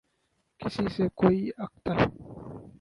کسی سے کوئی اختل